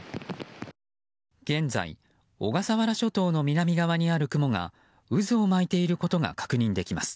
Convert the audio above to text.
現在、小笠原諸島の南側にある雲が渦を巻いていることが確認できます。